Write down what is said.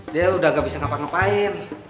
dia udah gak bisa ngapa ngapain